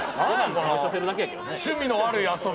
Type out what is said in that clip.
趣味の悪い遊び。